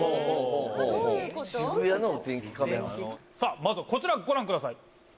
さあまずはこちらご覧ください。